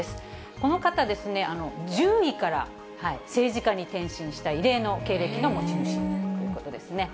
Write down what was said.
この方、獣医から政治家に転身した異例の経歴の持ち主ということですね。